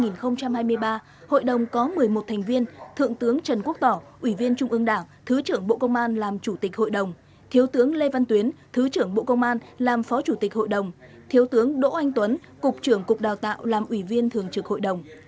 năm hai nghìn hai mươi ba hội đồng có một mươi một thành viên thượng tướng trần quốc tỏ ủy viên trung ương đảng thứ trưởng bộ công an làm chủ tịch hội đồng thiếu tướng lê văn tuyến thứ trưởng bộ công an làm phó chủ tịch hội đồng thiếu tướng đỗ anh tuấn cục trưởng cục đào tạo làm ủy viên thường trực hội đồng